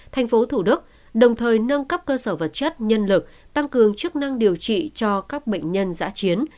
tp hcm đồng thời nâng cấp cơ sở vật chất nhân lực tăng cường chức năng điều trị cho các bệnh nhân giã chiến